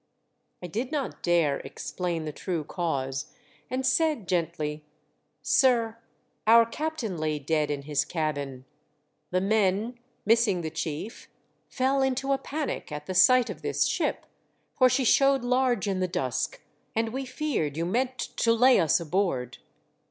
I did not dare explain the true cause, and said, gently, " Sir, our captain lay dead in his MY FIRST NIGHT IN THE DEATH SHIP. lOI cabin. The men, missing the chief, fell into a panic at the sight of this ship, for she showed large in the dusk, and we feared you meant to lay us aboard."